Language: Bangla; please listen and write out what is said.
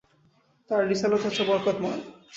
তাঁর রিসালত হচ্ছে বরকতময়।